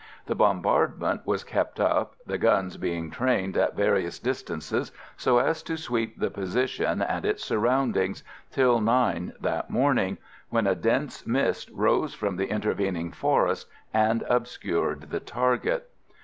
The bombardment was kept up, the guns being trained at various distances so as to sweep the position and its surroundings, till nine that morning, when a dense mist rose from the intervening forest and obscured the target.